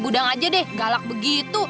gudang aja deh galak begitu